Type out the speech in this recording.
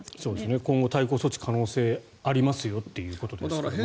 今後、対抗措置がありますよということですから。